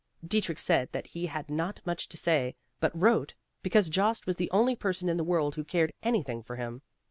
Dietrich said that he had not much to say, but wrote because Jost was the only person in the world who cared anything for him.